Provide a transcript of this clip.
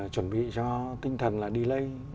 chuẩn bị cho tinh thần là delay